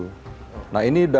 nah ini bisa dipastikan ini ilegal